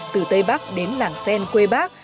từ tây bắc đến làng sen quê bác